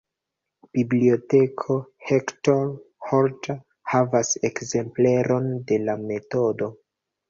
Biblioteko Hector Hodler havas ekzempleron de la metodo.